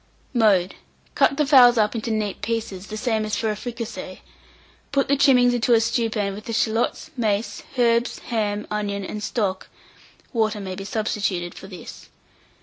Mode. Cut the fowls up into neat pieces, the same as for a fricassee; put the trimmings into a stewpan with the shalots, mace, herbs, ham, onion, and stock (water may be substituted for this).